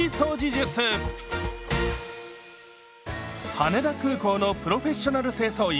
羽田空港のプロフェッショナル清掃員